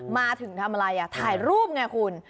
มาถึงทำอะไรถ่ายรูปไงคุณ